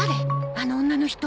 あの女の人。